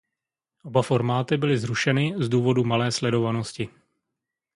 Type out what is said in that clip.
Oba formáty byly zrušeny z důvodu malé sledovanosti.